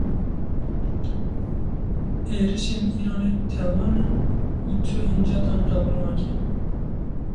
Êrişên Îranê tawan in û ti hincetan qebûl nake.